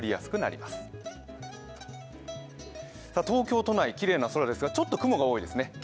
東京都内、きれいな空ですがちょっと雲が多いですね。